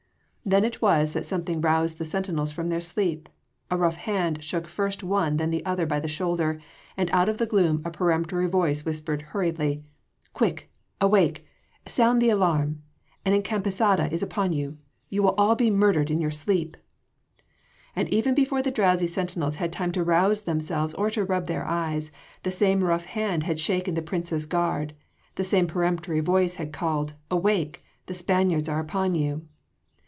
Then it was that something roused the sentinels from their sleep. A rough hand shook first one then the others by the shoulder, and out of the gloom a peremptory voice whispered hurriedly: "Quick! awake! sound the alarm! An encamisada is upon you. You will all be murdered in your sleep." And even before the drowsy sentinels had time to rouse themselves or to rub their eyes, the same rough hand had shaken the Prince’s guard, the same peremptory voice had called: "Awake! the Spaniards are upon you!"